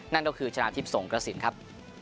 นั่นก็คือชนะทิพย์สงกระสินครับ